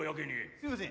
すいません。